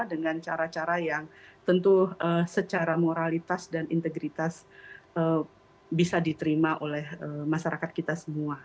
dengan cara cara yang tentu secara moralitas dan integritas bisa diterima oleh masyarakat kita semua